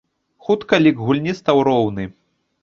Хутка лік гульні стаў роўны.